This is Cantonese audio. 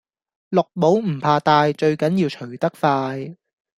綠帽唔怕戴最緊要除得快